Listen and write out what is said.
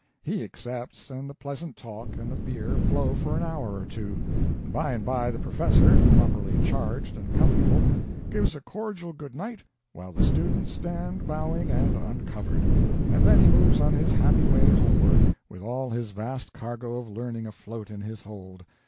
He accepts, and the pleasant talk and the beer flow for an hour or two, and by and by the professor, properly charged and comfortable, gives a cordial good night, while the students stand bowing and uncovered; and then he moves on his happy way homeward with all his vast cargo of learning afloat in his hold.